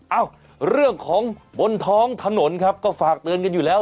เอ้าเรื่องของบนท้องถนนครับก็ฝากเตือนกันอยู่แล้ว